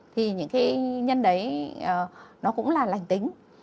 thì những cái nhân đấy nó cũng là lành tính